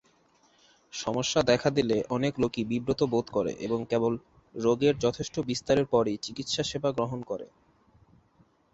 সমস্যা দেখা দিলে অনেক লোকই বিব্রত বোধ করে এবং কেবল রোগের যথেষ্ট বিস্তারের পরই চিকিৎসা সেবা গ্রহণ করে।